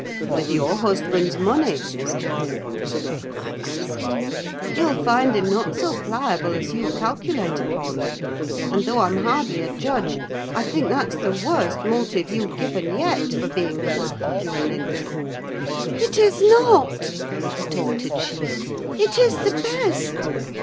"With your husband's money, Miss Catherine?" I asked. "You'll find him not so pliable as you calculate upon: and, though I'm hardly a judge, I think that's the worst motive you've given yet for being the wife of young Linton." "It is not," retorted she; "it is the best!